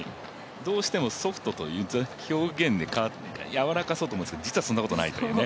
どうしてもソフトという表現でやわらかそうと思うんですがそんなことはないんですね。